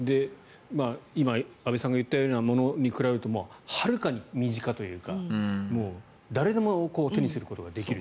今、安部さんが言ったようなものに比べるとはるかに身近というか誰でも手にすることができる